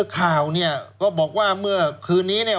ข่าวเนี่ยก็บอกว่าเมื่อคืนนี้เนี่ย